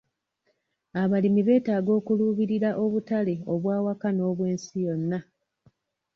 Abalimi beetaaga okuluubirira abutale obw'awaka n'obwensi yonna.